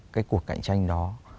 cái cuộc cạnh tranh đó